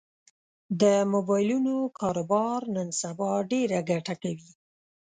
د مبایلونو کاروبار نن سبا ډېره ګټه کوي